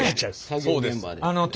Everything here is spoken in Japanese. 作業現場で。